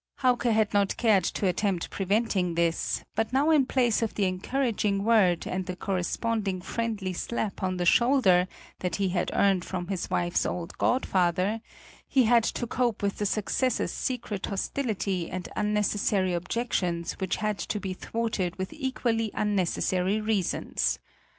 Hauke had not cared to attempt preventing this, but now in place of the encouraging word and the corresponding friendly slap on the shoulder that he had earned from his wife's old godfather, he had to cope with the successor's secret hostility and unnecessary objections which had to be thwarted with equally unnecessary reasons.